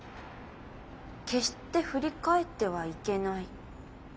決して振り返ってはいけない！